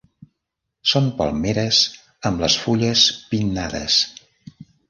Són palmeres amb les fulles pinnades.